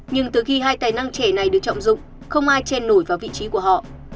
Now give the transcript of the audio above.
nhưng từ khi hai tài năng trẻ này được trọng dụng không ai chen nổi vào vị trí của họ